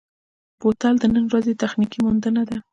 بوتل د نن ورځې تخنیکي موندنه ده.